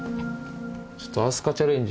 ちょっと明日香チャレンジ。